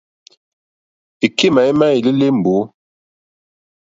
Èkémà émá èlélí è mbǒ.